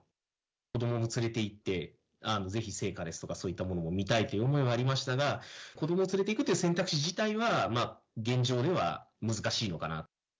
子どもも連れていって、ぜひ聖火ですとかそういったものを見たいという思いはありましたが、子どもを連れていくという選択肢自体は、現状では難しいのかな。